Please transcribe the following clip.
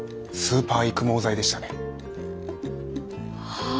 はあ。